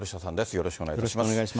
よろしくお願いします。